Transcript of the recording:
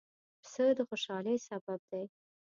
پسه د خوشحالۍ سبب دی.